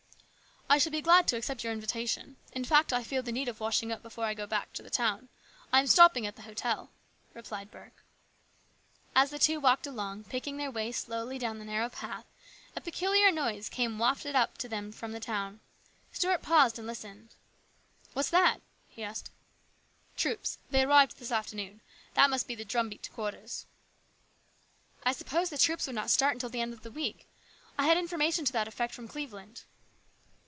" I shall be glad to accept your invitation. In fact I feel the need of washing up before I go back to the town. I am stopping at the hotel," replied Burke. As the two walked along, picking their way slowly down the narrow path, a peculiar noise came wafted up to them from the town. Stuart paused and listened. THE RESCUE. 75 " What's that ?" he asked. " Troops. They arrived this afternoon. That must be the drumbeat to quarters." " I supposed the troops would not start until the end of the week. I had information to that effect from Cleveland."